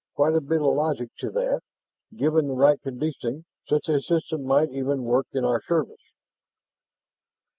Quite a bit of logic to that. Given the right conditioning, such a system might even work in our service."